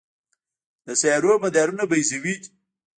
د سیارو مدارونه بیضوي دي.